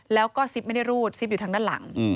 แล้วก็ซิปไม่ได้รูดซิปอยู่ทางด้านหลัง